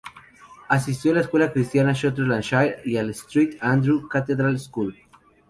Asistió a la escuela cristiana Sutherland Shire y al St Andrew's Cathedral School.